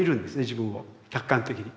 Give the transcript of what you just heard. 自分を客観的に。